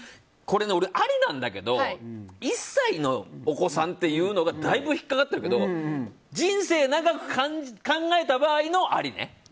俺、ありなんだけど１歳のお子さんっていうのがだいぶ、引っかかっているけど人生長く考えた場合のありね。